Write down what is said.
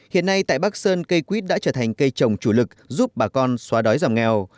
hiện nay tại bắc sơn cây quýt đã trở thành cây trồng chủ lực giúp bà con xóa đói giảm nghèo